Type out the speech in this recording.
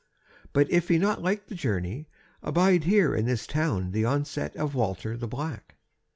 But if ye like not the journey, abide here in this town the onset of Walter the Black."